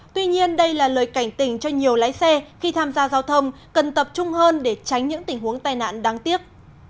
tuy nhiên đây là lời cảnh tình cho nhiều lái xe khi tham gia giao thông cần tập trung hơn để tránh những tình huống tai nạn đáng tiếc